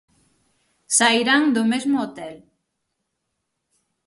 Sairán do mesmo hotel.